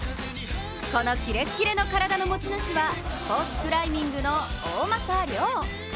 このキレッキレの体の持ち主はスポーツクライミングの大政涼。